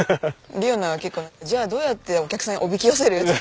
莉央奈は結構「じゃあどうやってお客さんおびき寄せる？」。